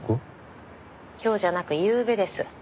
今日じゃなくゆうべです。